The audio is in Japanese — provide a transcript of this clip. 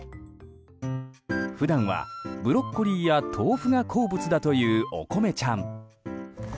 普段はブロッコリーや豆腐が好物だというおこめちゃん。